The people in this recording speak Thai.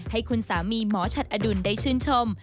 ให้คุณสามีหมอฉัดอดุลได้ชื่นชม